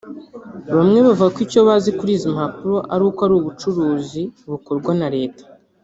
Bamwe bavuga ko icyo bazi kuri izi mpapuro ari uko ari ubucuruzi bukorwa na Leta